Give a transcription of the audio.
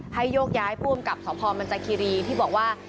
ให้โยกย้ายผู้อำกับสถมานจันทร์บิริที่บอกว่า